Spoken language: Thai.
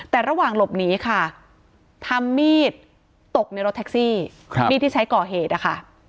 แต่ระหว่างหลบหนีค่ะทำมีดตกในรถแท็กซี่มีดที่ใช้ก่อเหตุนะคะ